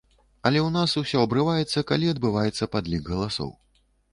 Але ў нас усё абрываецца, калі адбываецца падлік галасоў.